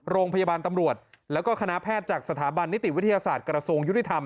โรงพยาบาลตำรวจแล้วก็คณะแพทย์จากสถาบันนิติวิทยาศาสตร์กระทรวงยุติธรรม